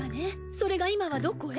それが今はどこへ？